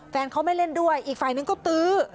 แฟนเขาไม่เล่นด้วยอีกฝ่ายนึงก็ตื้อ